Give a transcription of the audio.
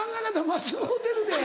間違うてるで。